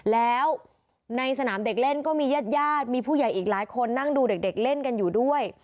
แล้วในสนามเด็กเล่นก็มีญาติญาติมีผู้ใหญ่อีกหลายคนนั่งดูเด็กเล่นกันอยู่ด้วย